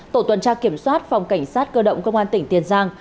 tổ tuần tra kiểm soát phòng cảnh sát cơ động công an tỉnh tiền giang